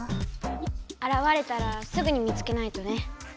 あらわれたらすぐに見つけないとね。